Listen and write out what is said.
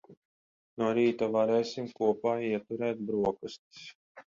No rīta varēsim kopā ieturēt broksastis.